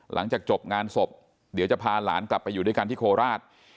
หลังจากจบงานศพเดี๋ยวจะพาหลานกลับไปอยู่ด้วยกันที่โคราช